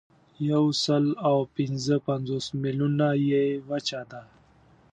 یوسلاوپینځهپنځوس میلیونه یې وچه ده.